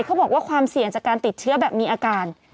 ความเสี่ยงจากการติดเชื้อแบบมีอาการ